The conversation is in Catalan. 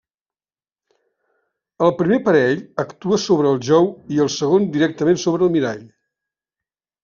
El primer parell actua sobre el jou i el segon directament sobre el mirall.